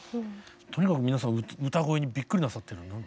とにかく皆さん歌声にびっくりなさってるの？